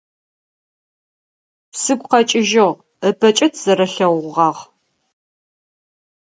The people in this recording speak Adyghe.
Сыгу къэкӏыжьыгъ, ыпэкӏэ тызэрэлъэгъугъагъ.